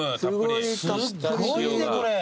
すっごいねこれ。